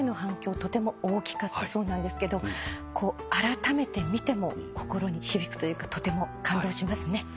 とても大きかったそうなんですけどあらためて見ても心に響くというかとても感動しますね。